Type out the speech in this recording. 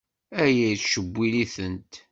Aya yettcewwil-itent.